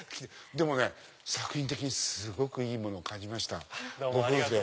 でもね作品的にすごくいいものを感じました。